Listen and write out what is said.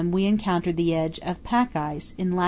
we encountered the edge of pack ice in lat.